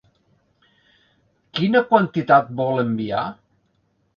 Quina quantitat vol enviar?